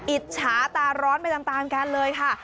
อิจฉาตาร้อนไปตามกันเลยค่ะ